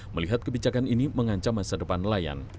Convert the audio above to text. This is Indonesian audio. melihat kebijakan ini mengancam masa depan nelayan